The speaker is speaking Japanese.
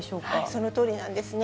そのとおりなんですね。